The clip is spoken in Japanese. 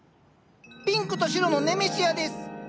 ピンクと白のネメシアです。